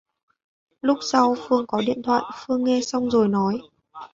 lúc sau phương có điện thoại Phương nghe xong rồi nói